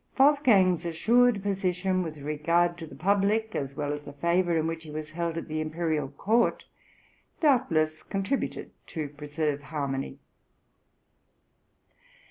Wolfgang's assured position with regard to the public, as well as the favour in which he was held at the imperial court, doubtless contributed to preserve harmony.